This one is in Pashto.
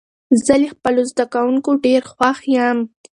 زه له خپلو زده کوونکو ډېر خوښ يم.